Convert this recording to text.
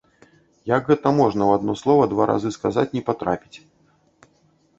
Як гэта можна ў адно слова два разы сказаць не патрапіць?